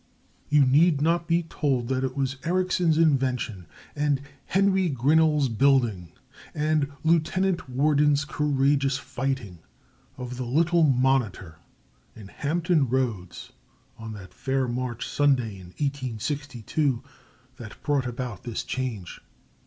You need not be told that it was Ericsson's invention and Henry Grinnell's building and Lieutenant Worden's courageous fighting of the little Monitor in Hampton Roads, on that fair March Sunday in 1862, that brought about this change.